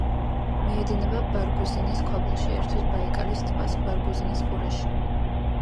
მიედინება ბარგუზინის ქვაბულში, ერთვის ბაიკალის ტბას ბარგუზინის ყურეში.